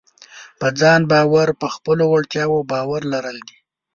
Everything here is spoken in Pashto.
په ځان باور په خپلو وړتیاوو باور لرل دي.